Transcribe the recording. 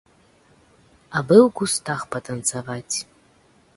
Абы ў кустах патанцаваць.